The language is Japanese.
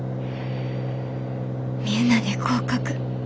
みんなで合格。